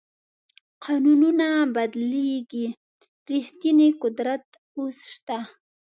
قانونونه بدلېږي ریښتینی قدرت اوس شته.